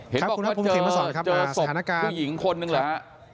เห็นบอกว่าเจอศพผู้หญิงคนหนึ่งหรือ